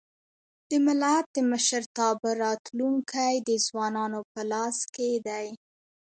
د ملت د مشرتابه راتلونکی د ځوانانو په لاس کي دی.